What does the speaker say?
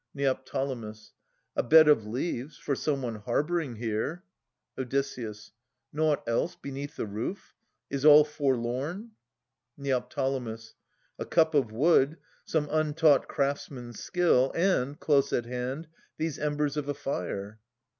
Neo. a bed of leaves for some one harbouring here. Od. Nought else beneath the roof? Is all forlorn? Neo. a cup of wood, some untaught craftsman's skill. And, close at hand, these embers of a fire.